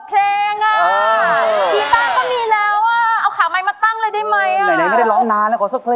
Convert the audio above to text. อ๋อกีทาก็มีแล้วอะเอาขาวไมค์มาตั้งเลยได้มั้ยอ้อ